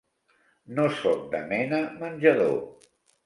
No soc de mena menjador.